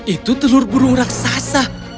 itu telur burung raksasa